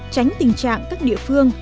tránh tình trạng các địa phương